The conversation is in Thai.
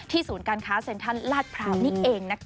ที่ศูนย์การค้าเซ็นทรัลลาดพราวนี่เองนะครับ